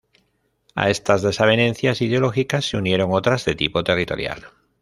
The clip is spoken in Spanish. A estas desavenencias ideológicas se unieron otras de tipo territorial.